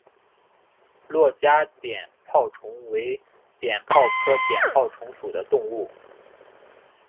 珞珈碘泡虫为碘泡科碘泡虫属的动物。